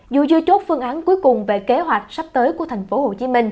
dù chưa chốt phương án cuối cùng về kế hoạch sắp tới của tp hcm